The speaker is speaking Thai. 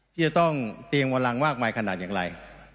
ที่จะต้องเตียงวันลังมากมายขนาดอย่างไร